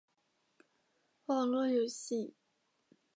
网络游戏